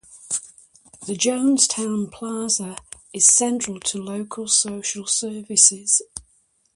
The Jonestown Plaza is central to local social services.